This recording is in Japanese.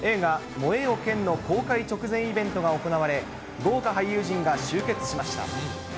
燃えよ剣の公開直前イベントが行われ、豪華俳優陣が集結しました。